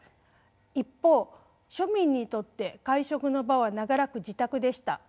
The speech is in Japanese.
一方庶民にとって会食の場は長らく自宅でした。